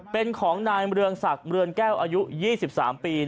เป็นของนายเมืองศักดิ์เรือนแก้วอายุ๒๓ปี